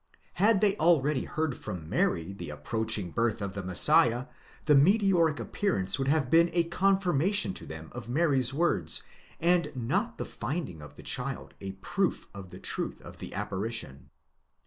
Had they already heard from Mary of the approaching birth of the Messiah, the meteoric appearance would have been a confirmation to them of Mary's words, and not the finding of the child a proof of the truth of the apparition.